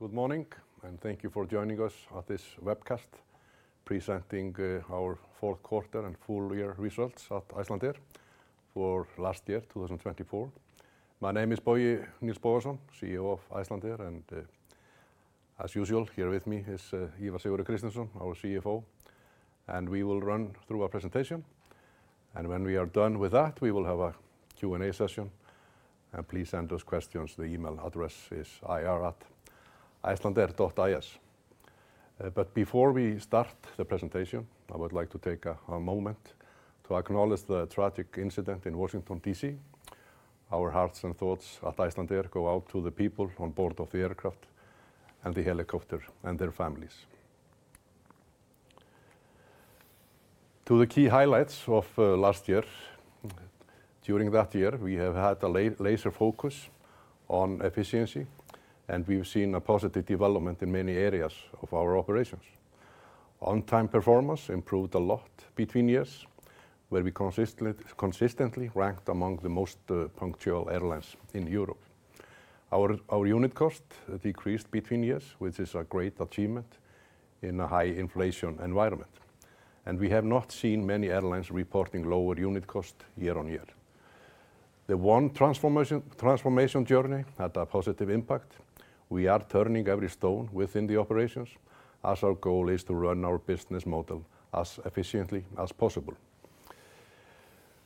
Good morning, and thank you for joining us at this webcast presenting our fourth quarter and full year results at Icelandair for last year, 2024. My name is Bogi Nils Bogason, CEO of Icelandair, and as usual, here with me is Ívar S. Kristinsson, our CFO, and we will run through our presentation, and when we are done with that, we will have a Q&A session, and please send us questions, the email address is ir@icelandair.is. But before we start the presentation, I would like to take a moment to acknowledge the tragic incident in Washington, D.C. Our hearts and thoughts at Icelandair go out to the people on board of the aircraft and the helicopter and their families. To the key highlights of last year: during that year, we have had a laser focus on efficiency, and we've seen a positive development in many areas of our operations. On-time performance improved a lot between years, where we consistently ranked among the most punctual airlines in Europe. Our unit cost decreased between years, which is a great achievement in a high-inflation environment, and we have not seen many airlines reporting lower unit cost year on year. The One Transformation journey had a positive impact: we are turning every stone within the operations, as our goal is to run our business model as efficiently as possible.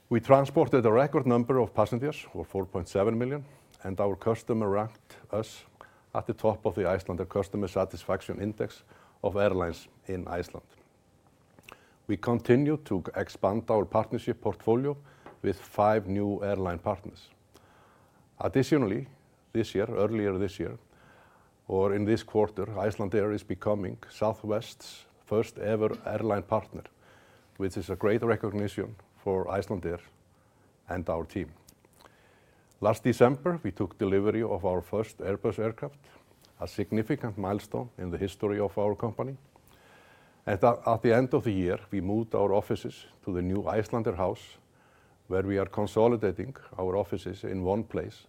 We transported a record number of passengers, or 4.7 million, and our customer ranked us at the top of the Icelandic Customer Satisfaction Index of airlines in Iceland. We continue to expand our partnership portfolio with five new airline partners. Additionally, this year, earlier this year, or in this quarter, Icelandair is becoming Southwest's first-ever airline partner, which is a great recognition for Icelandair and our team. Last December, we took delivery of our first Airbus aircraft, a significant milestone in the history of our company. At the end of the year, we moved our offices to the new Icelandair House, where we are consolidating our offices in one place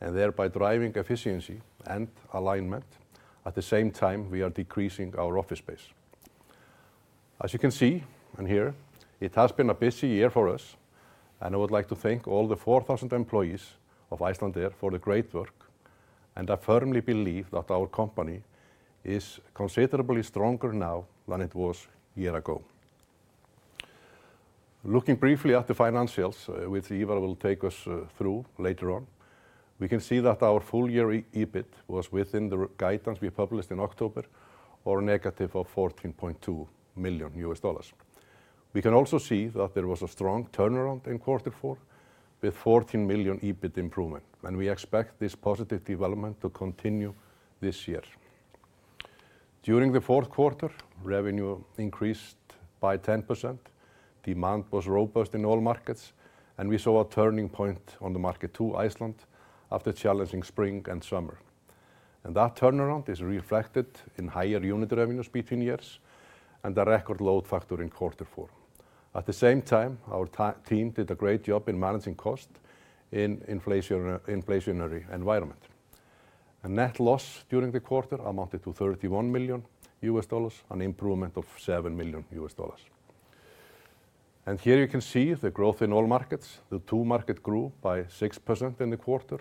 and thereby driving efficiency and alignment. At the same time, we are decreasing our office space. As you can see and hear, it has been a busy year for us, and I would like to thank all the 4,000 employees of Icelandair for the great work, and I firmly believe that our company is considerably stronger now than it was a year ago. Looking briefly at the financials, which Ívar will take us through later on, we can see that our full-year EBIT was within the guidance we published in October, or a negative of $14.2 million. We can also see that there was a strong turnaround in quarter four, with $14 million EBIT improvement, and we expect this positive development to continue this year. During the fourth quarter, revenue increased by 10%, demand was robust in all markets, and we saw a turning point on the market to Iceland after a challenging spring and summer. And that turnaround is reflected in higher unit revenues between years and a record load factor in quarter four. At the same time, our team did a great job in managing cost in an inflationary environment. And net loss during the quarter amounted to $31 million, an improvement of $7 million. And here you can see the growth in all markets: the To market grew by 6% in the quarter,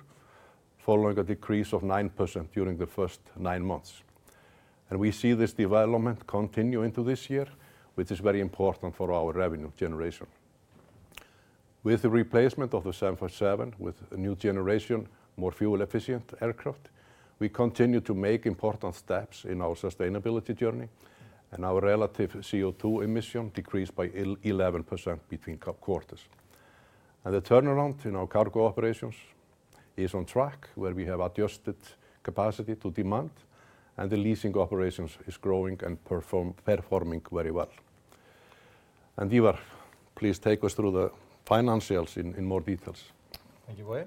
following a decrease of 9% during the first nine months. We see this development continue into this year, which is very important for our revenue generation. With the replacement of the 757 with a new generation, more fuel-efficient aircraft, we continue to make important steps in our sustainability journey, and our relative CO2 emission decreased by 11% between quarters. The turnaround in our cargo operations is on track, where we have adjusted capacity to demand, and the leasing operations are growing and performing very well. Ívar, please take us through the financials in more details. Thank you, Bogi.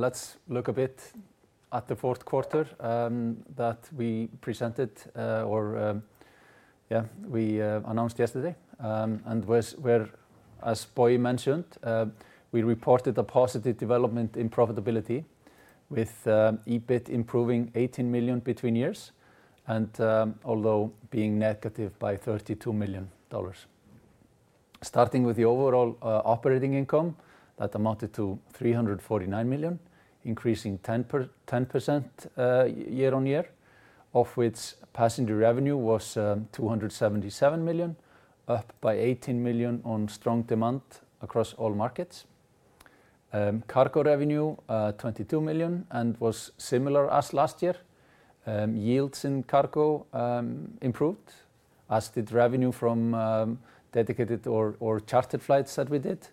Let's look a bit at the fourth quarter that we presented, or yeah, we announced yesterday. As Bogi mentioned, we reported a positive development in profitability, with EBIT improving $18 million between years, and although being negative by $32 million. Starting with the overall operating income, that amounted to $349 million, increasing 10% year on year, of which passenger revenue was $277 million, up by $18 million on strong demand across all markets. Cargo revenue, $22 million, and was similar as last year. Yields in cargo improved, as did revenue from dedicated or chartered flights that we did,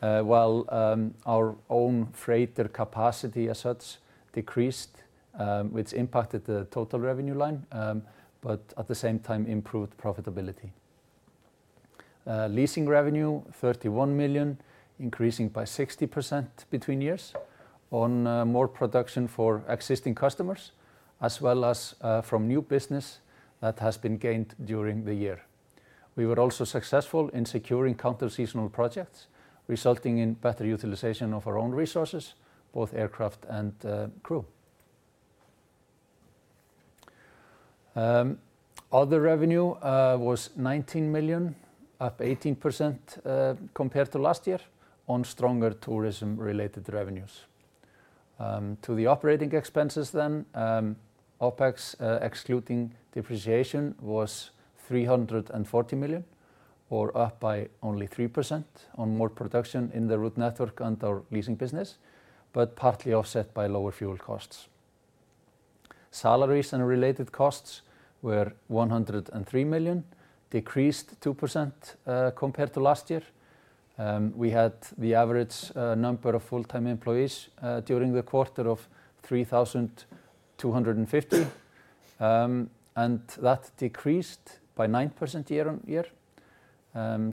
while our own freighter capacity as such decreased, which impacted the total revenue line, but at the same time improved profitability. Leasing revenue, $31 million, increasing by 60% between years on more production for existing customers, as well as from new business that has been gained during the year. We were also successful in securing counter-seasonal projects, resulting in better utilization of our own resources, both aircraft and crew. Other revenue was $19 million, up 18% compared to last year, on stronger tourism-related revenues. To the operating expenses then, OPEX, excluding depreciation, was $340 million, or up by only 3% on more production in the route network and our leasing business, but partly offset by lower fuel costs. Salaries and related costs were $103 million, decreased 2% compared to last year. We had the average number of full-time employees during the quarter of 3,250, and that decreased by 9% year on year.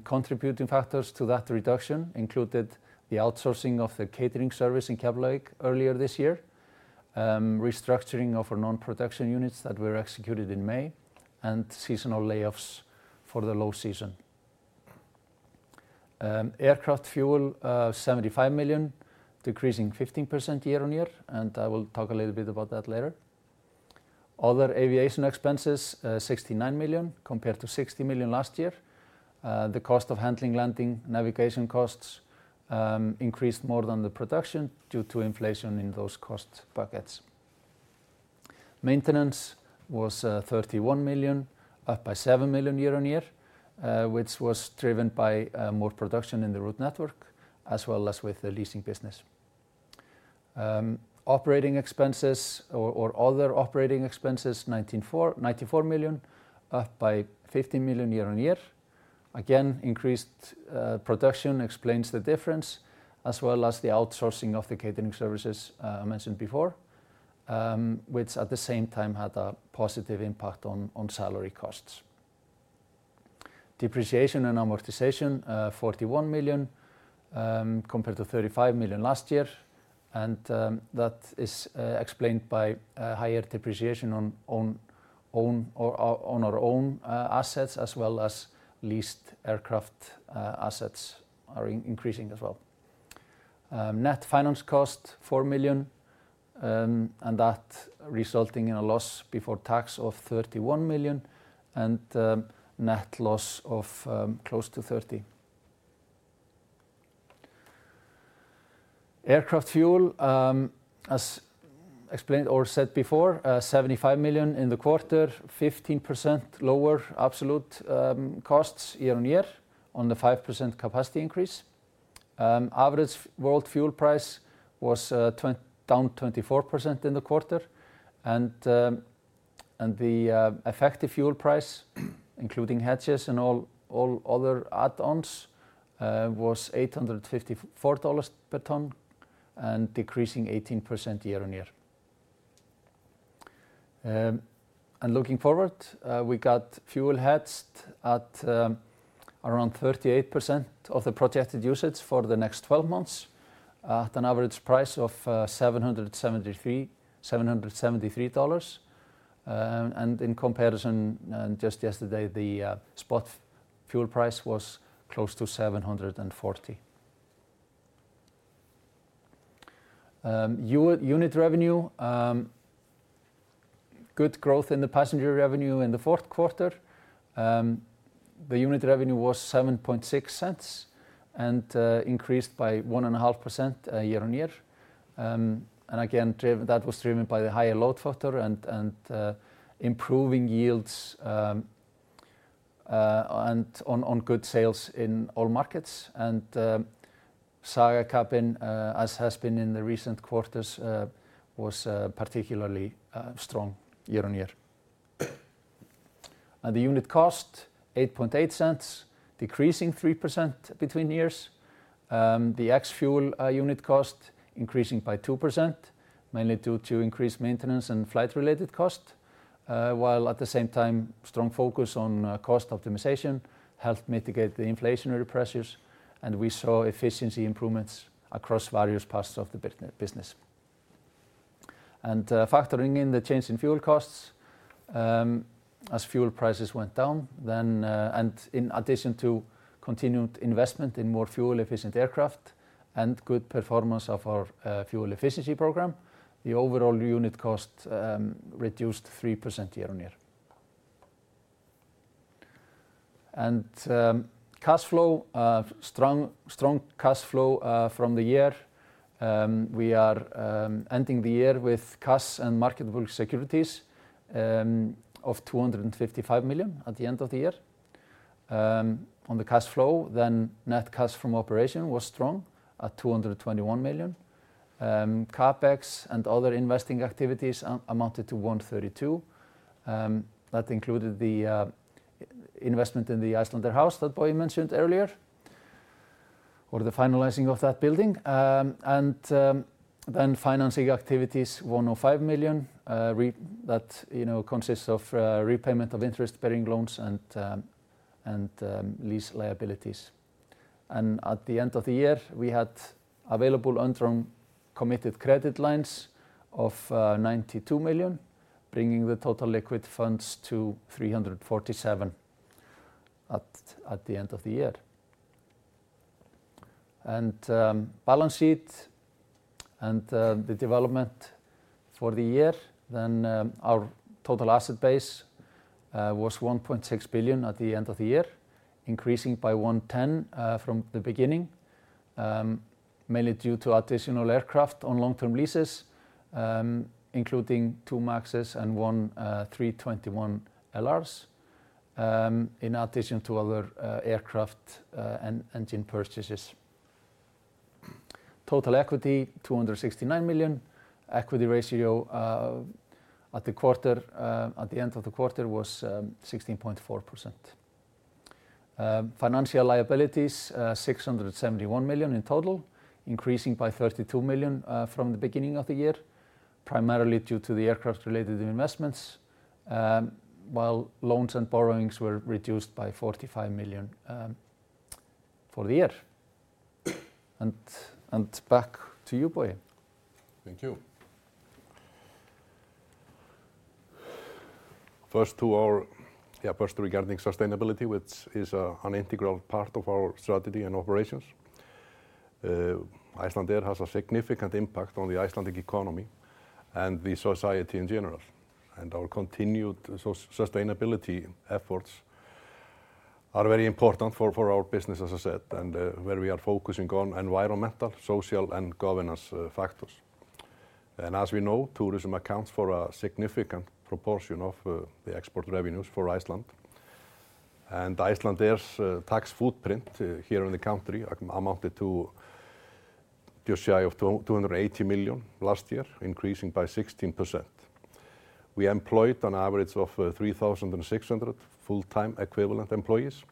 Contributing factors to that reduction included the outsourcing of the catering service in Keflavík earlier this year, restructuring of our non-production units that were executed in May, and seasonal layoffs for the low season. Aircraft fuel, $75 million, decreasing 15% year on year, and I will talk a little bit about that later. Other aviation expenses, $69 million, compared to $60 million last year. The cost of handling, landing, navigation costs increased more than the production due to inflation in those cost buckets. Maintenance was $31 million, up by $7 million year on year, which was driven by more production in the route network, as well as with the leasing business. Operating expenses, or other operating expenses, $94 million, up by $15 million year on year. Again, increased production explains the difference, as well as the outsourcing of the catering services I mentioned before, which at the same time had a positive impact on salary costs. Depreciation and amortization, $41 million, compared to $35 million last year, and that is explained by higher depreciation on our own assets, as well as leased aircraft assets are increasing as well. Net finance cost, $4 million, and that resulting in a loss before tax of $31 million, and net loss of close to $30 million. Aircraft fuel, as explained or said before, $75 million in the quarter, 15% lower absolute costs year on year on the 5% capacity increase. Average world fuel price was down 24% in the quarter, and the effective fuel price, including hedging and all other add-ons, was $854 per ton and decreasing 18% year on year. Looking forward, we got fuel hedged at around 38% of the projected usage for the next 12 months at an average price of $773. In comparison, just yesterday, the spot fuel price was close to $740. Unit revenue, good growth in the passenger revenue in the fourth quarter. The unit revenue was $0.076 and increased by 1.5% year on year. Again, that was driven by the higher load factor and improving yields and on good sales in all markets. Saga Cabin, as has been in the recent quarters, was particularly strong year on year. The unit cost, $0.088, decreasing 3% between years. The ex-fuel unit cost increasing by 2%, mainly due to increased maintenance and flight-related cost, while at the same time, strong focus on cost optimization helped mitigate the inflationary pressures, and we saw efficiency improvements across various parts of the business. Factoring in the change in fuel costs as fuel prices went down, and in addition to continued investment in more fuel-efficient aircraft and good performance of our fuel efficiency program, the overall unit cost reduced 3% year on year. Cash flow, strong cash flow from the year. We are ending the year with cash and marketable securities of $255 million at the end of the year. On the cash flow, then net cash from operation was strong at $221 million. CapEx and other investing activities amounted to $132 million. That included the investment in the Icelandair House that Bogi mentioned earlier, or the finalizing of that building. Then financing activities, $105 million, that consists of repayment of interest-bearing loans and lease liabilities. And at the end of the year, we had available interim committed credit lines of $92 million, bringing the total liquid funds to $347 million at the end of the year. And the balance sheet and the development for the year, then our total asset base was $1.6 billion at the end of the year, increasing by $110 million from the beginning, mainly due to additional aircraft on long-term leases, including two MAXs and one A321LR, in addition to other aircraft and engine purchases. Total equity $269 million. Equity ratio at the end of the quarter was 16.4%. Financial liabilities $671 million in total, increasing by $32 million from the beginning of the year, primarily due to the aircraft-related investments, while loans and borrowings were reduced by $45 million for the year. And back to you, Bogi. Thank you. First, regarding sustainability, which is an integral part of our strategy and operations, Icelandair has a significant impact on the Icelandic economy and the society in general. And our continued sustainability efforts are very important for our business, as I said, and where we are focusing on environmental, social, and governance factors. And as we know, tourism accounts for a significant proportion of the export revenues for Iceland. And Icelandair's tax footprint here in the country amounted to just shy of 280 million last year, increasing by 16%. We employed an average of 3,600 full-time equivalent employees,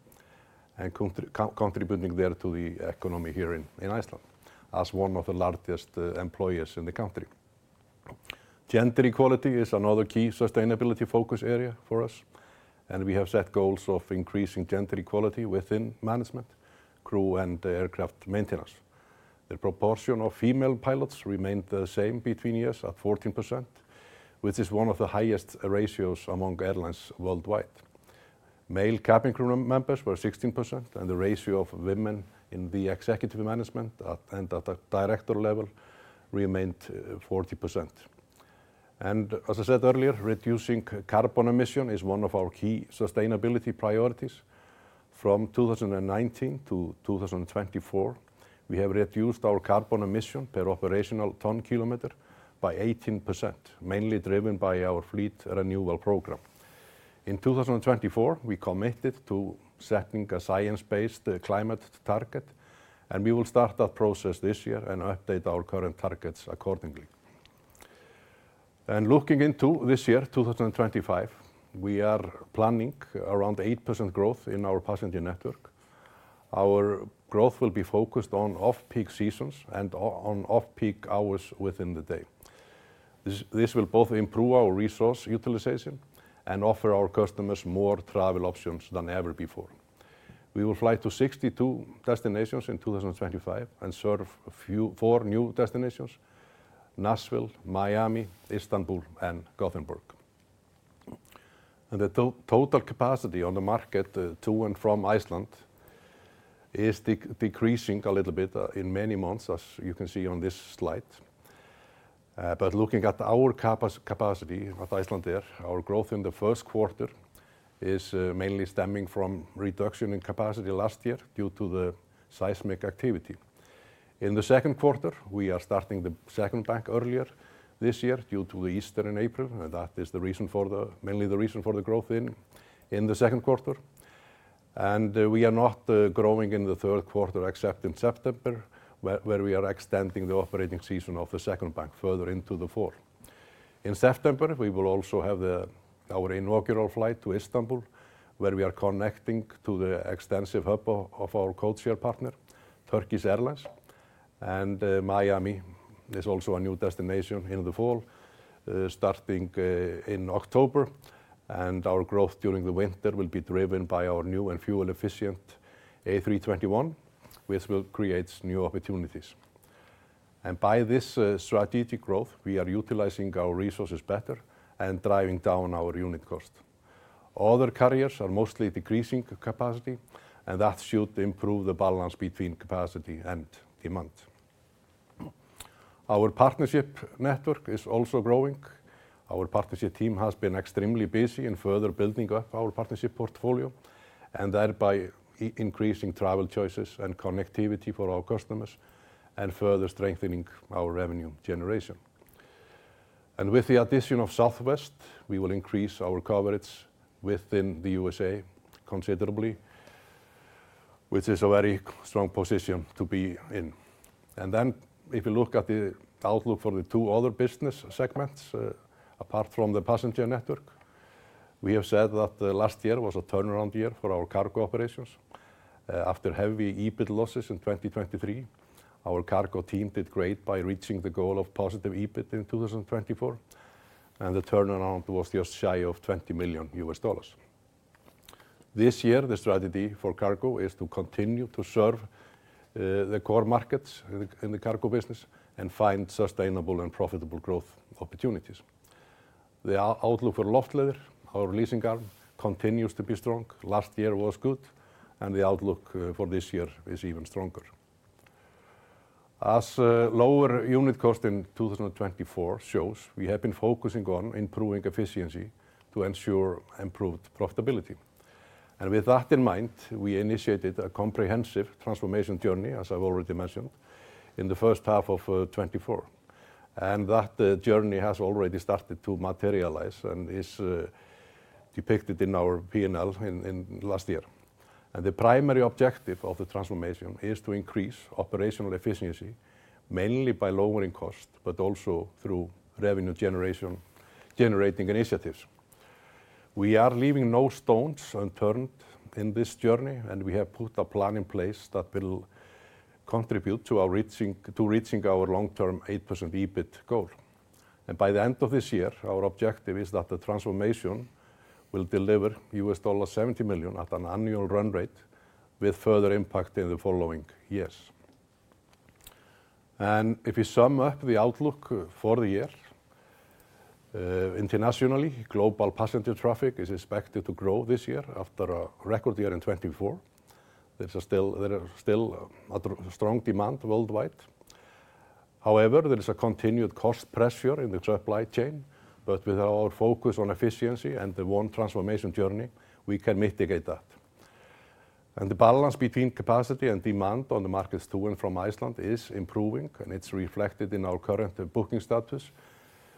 contributing there to the economy here in Iceland as one of the largest employers in the country. Gender equality is another key sustainability focus area for us, and we have set goals of increasing gender equality within management, crew, and aircraft maintenance. The proportion of female pilots remained the same between years at 14%, which is one of the highest ratios among airlines worldwide. Male cabin crew members were 16%, and the ratio of women in the executive management and at the director level remained 40%, and as I said earlier, reducing carbon emission is one of our key sustainability priorities. From 2019 to 2024, we have reduced our carbon emission per operational ton-kilometer by 18%, mainly driven by our fleet renewal program. In 2024, we committed to setting a science-based climate target, and we will start that process this year and update our current targets accordingly, and looking into this year, 2025, we are planning around 8% growth in our passenger network. Our growth will be focused on off-peak seasons and on off-peak hours within the day. This will both improve our resource utilization and offer our customers more travel options than ever before. We will fly to 62 destinations in 2025 and serve four new destinations: Nashville, Miami, Istanbul, and Gothenburg. The total capacity on the market to and from Iceland is decreasing a little bit in many months, as you can see on this slide. Looking at our capacity at Icelandair, our growth in the first quarter is mainly stemming from reduction in capacity last year due to the seismic activity. In the second quarter, we are starting the second bank earlier this year due to the Easter in April, and that is mainly the reason for the growth in the second quarter. We are not growing in the third quarter except in September, where we are extending the operating season of the second bank further into the fall. In September, we will also have our inaugural flight to Istanbul, where we are connecting to the extensive hub of our codeshare partner, Turkish Airlines, and Miami is also a new destination in the fall, starting in October, and our growth during the winter will be driven by our new and in 2024, and the turnaround was just shy of $20 million. This year, the strategy for cargo is to continue to serve the core markets in the cargo business and find sustainable and profitable growth opportunities. The outlook for Loftleiðir, our leasing arm, continues to be strong. Last year was good, and the outlook for this year is even stronger. As lower unit cost in 2024 shows, we have been focusing on improving efficiency to ensure improved profitability. With that in mind, we initiated a comprehensive transformation journey, as I've already mentioned, in the first half of 2024. That journey has already started to materialize and is depicted in our P&L last year. The primary objective of the transformation is to increase operational efficiency, mainly by lowering costs, but also through revenue generation initiatives. We are leaving no stones unturned in this journey, and we have put a plan in place that will contribute to reaching our long-term 8% EBIT goal. By the end of this year, our objective is that the transformation will deliver $70 million at an annual run rate with further impact in the following years. And if you sum up the outlook for the year, internationally, global passenger traffic is expected to grow this year after a record year in 2024. There is still a strong demand worldwide. However, there is a continued cost pressure in the supply chain, but with our focus on efficiency and the One Transformation journey, we can mitigate that. And the balance between capacity and demand on the markets to and from Iceland is improving, and it's reflected in our current booking status,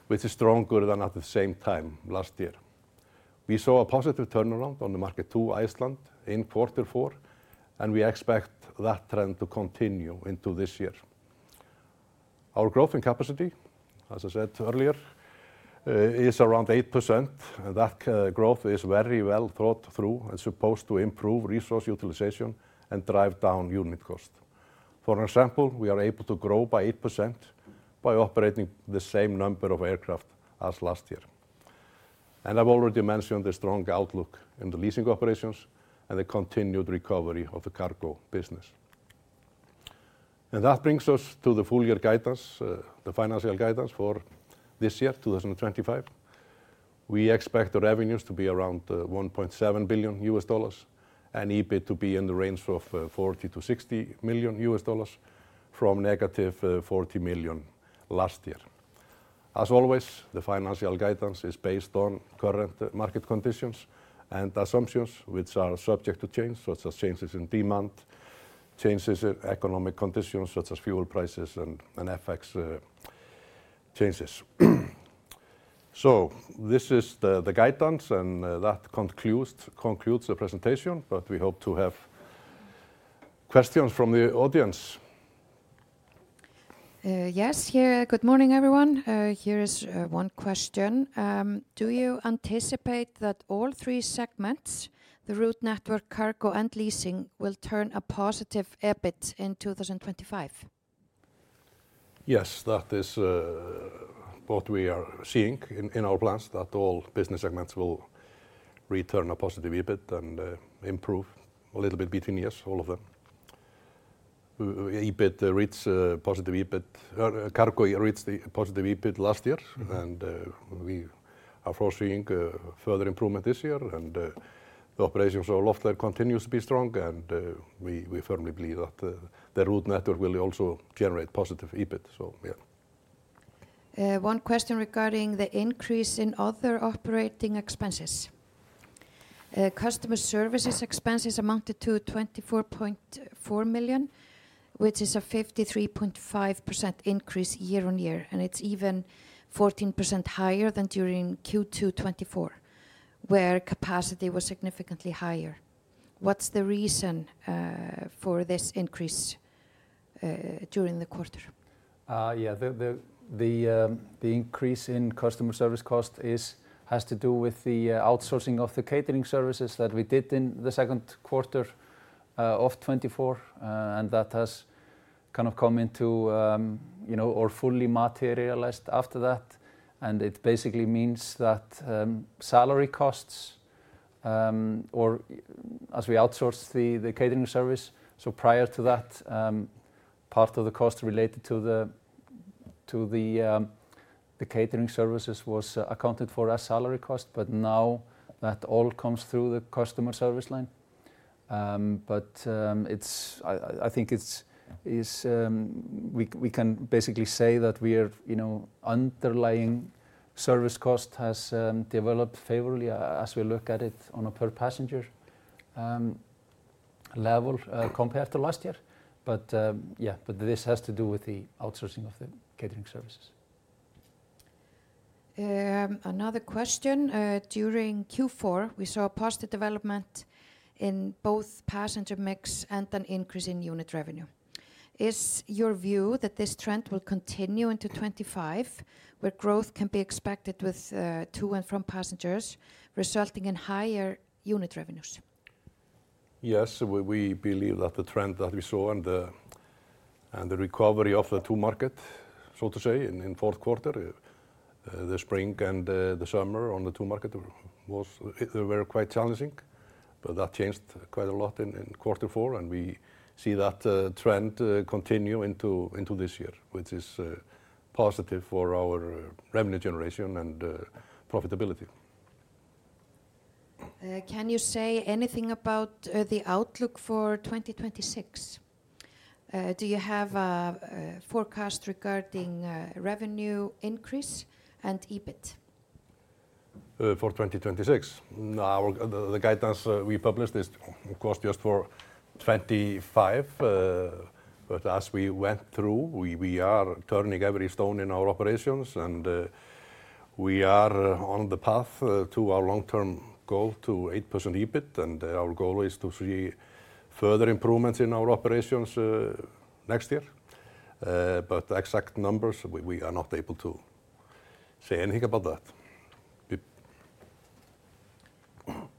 which is stronger than at the same time last year. We saw a positive turnaround on the market to Iceland in quarter four, and we expect that trend to continue into this year. Our growth in capacity, as I said earlier, is around 8%, and that growth is very well thought through and supposed to improve resource utilization and drive down unit cost. For example, we are able to grow by 8% by operating the same number of aircraft as last year. And I've already mentioned the strong outlook in the leasing operations and the continued recovery of the cargo business. And that brings us to the full year guidance, the financial guidance for this year, 2025. We expect revenues to be around $1.7 billion and EBIT to be in the range of $40-$60 million from negative $40 million last year. As always, the financial guidance is based on current market conditions and assumptions which are subject to change, such as changes in demand, changes in economic conditions, such as fuel prices and FX changes. So this is the guidance, and that concludes the presentation, but we hope to have questions from the audience. Yes, here. Good morning, everyone. Here is one question. Do you anticipate that all three segments, the route network, cargo, and leasing, will turn a positive EBIT in 2025? Yes, that is what we are seeing in our plans, that all business segments will return a positive EBIT and improve a little bit between years, all of them. Cargo reached a positive EBIT last year, and we are foreseeing further improvement this year, and the operations of Loftleiðir continue to be strong, and we firmly believe that the route network will also generate positive EBIT, so yeah. One question regarding the increase in other operating expenses. Customer services expenses amounted to 24.4 million, which is a 53.5% increase year on year, and it's even 14% higher than during Q2 2024, where capacity was significantly higher. What's the reason for this increase during the quarter? Yeah, the increase in customer service cost has to do with the outsourcing of the catering services that we did in the second quarter of 2024, and that has kind of come into or fully materialized after that. And it basically means that salary costs, or as we outsourced the catering service, so prior to that, part of the cost related to the catering services was accounted for as salary cost, but now that all comes through the customer service line. But I think we can basically say that the underlying service cost has developed favorably as we look at it on a per passenger level compared to last year. But yeah, this has to do with the outsourcing of the catering services. Another question. During Q4, we saw a positive development in both passenger mix and an increase in unit revenue. Is your view that this trend will continue into 2025, where growth can be expected with 2% from passengers, resulting in higher unit revenues? Yes, we believe that the trend that we saw and the recovery of the to markets, so to say, in fourth quarter, the spring and the summer in the two markets, were quite challenging, but that changed quite a lot in quarter four, and we see that trend continue into this year, which is positive for our revenue generation and profitability. Can you say anything about the outlook for 2026? Do you have a forecast regarding revenue increase and EBIT? For 2026, the guidance we published is, of course, just for 2025, but as we went through, we are turning every stone in our operations, and we are on the path to our long-term goal to 8% EBIT, and our goal is to see further improvements in our operations next year. But the exact numbers, we are not able to say anything about that.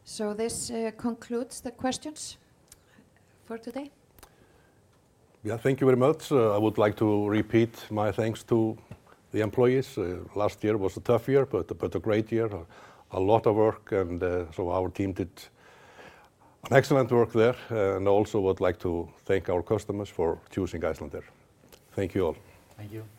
So this concludes the questions for today. Yeah, thank you very much. I would like to repeat my thanks to the employees. Last year was a tough year, but a great year. A lot of work, and so our team did excellent work there, and also would like to thank our customers for choosing Icelandair. Thank you all. Thank you.